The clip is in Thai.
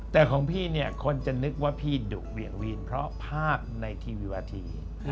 แต่ของพี่เนี่ยคนจะนึกว่าพี่ดุเหวี่ยงวีนเพราะภาพในทีวีวาที